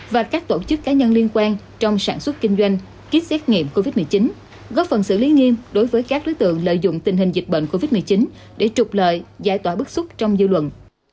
và các tổ chức cá nhân liên quan trong sản xuất kinh doanh kit xét nghiệm covid một mươi chín góp phần xử lý nghiêm đối với các đối tượng lợi dụng tình hình dịch bệnh covid một mươi chín để trục lợi giải tỏa bức xúc trong dư luận